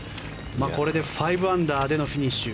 これで５アンダーでのフィニッシュ。